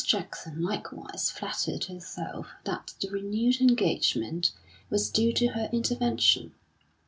Jackson likewise flattered herself that the renewed engagement was due to her intervention.